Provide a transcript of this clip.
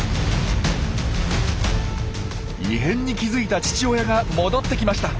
異変に気付いた父親が戻ってきました。